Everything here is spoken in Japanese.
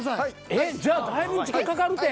えっじゃあだいぶ時間かかるて。